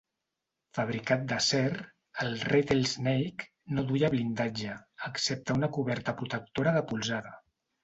Fabricat d'acer, el "Rattlesnake" no duia blindatge, excepte una coberta protectora de polzada.